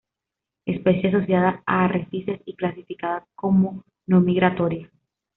Especie asociada a arrecifes y clasificada como no migratoria.